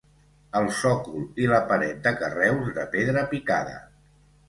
El sòcol i la paret de carreus de pedra picada.